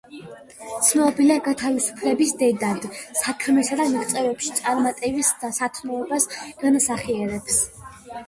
ცნობილია „გათავისუფლების დედად“; საქმესა და მიღწევებში წარმატების სათნოებას განასახიერებს.